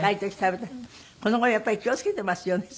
この頃やっぱり気を付けてますよね